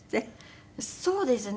そうですね。